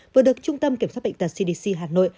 vừa được trung tâm kiểm soát bệnh tật cdc hà nội